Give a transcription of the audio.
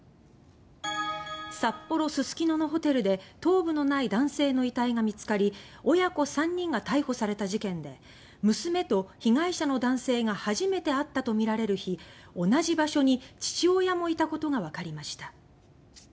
札幌・すすきののホテルで頭部のない男性の遺体が見つかり親子３人が逮捕された事件で娘と被害者の男性が初めて会ったとみられる日同じ場所に父親もいたことがわかりました。